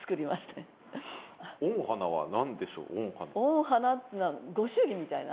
御花っていうのはご祝儀みたいな。